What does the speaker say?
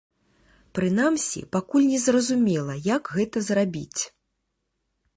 Прынамсі, пакуль не зразумела, як гэта зрабіць.